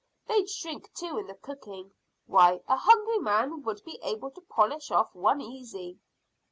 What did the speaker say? They'd shrink too in the cooking. Why, a hungry man would be able to polish off one easy."